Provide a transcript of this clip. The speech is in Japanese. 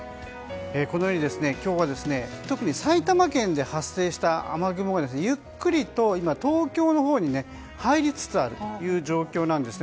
このように今日は特に埼玉県で発生した雨雲がゆっくりと東京のほうに入りつつあるという状況なんです。